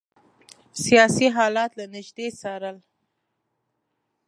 سیاسي حالات له نیژدې څارل.